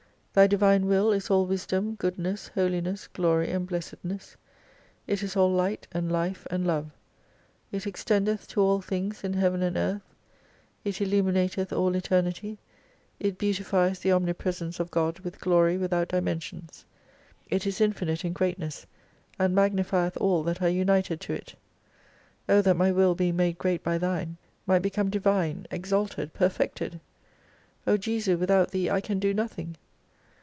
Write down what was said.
Thy divine Will is all wisdom, goodness, holiness, glory, and blessedness. It is all light and life and love. It ex tendeth to all things in heaven and earth. It illumi nateth all eternity, it beautifies the omnipresence of God with glory without dimensions. It is infinite in great ness and magnifieth all that are united to it. Oh that my will being made great by Thine, might become divine, exalted, perfected ! O Jesu, without Thee I can do nothing.